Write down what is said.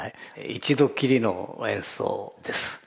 一度っきりの演奏です。